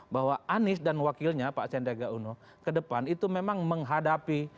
bahwa anies dan wakilnya pak sendega uno ke depan itu memang menghadapi